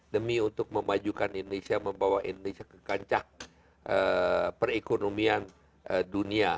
demi untuk memajukan indonesia membawa indonesia ke kancah perekonomian dunia